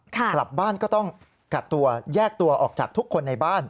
กลับบ้านก็ต้องกักตัวแยกตัวออกจากทุกคนในบ้าน